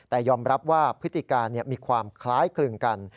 แต่ยอมรับว่าพฤติการมีความคล้ายคลึงกัน